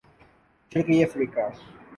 مشرقی افریقہ